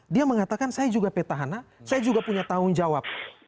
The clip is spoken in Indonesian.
dia mengatakan saya juga petahana saya juga punya tanggung jawab